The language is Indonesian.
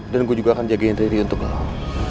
dan gue juga akan jagain riri untuk lo